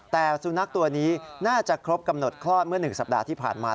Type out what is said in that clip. แต่สุนัขตัวนี้น่าจะครบกำหนดคลอดเมื่อ๑สัปดาห์ที่ผ่านมา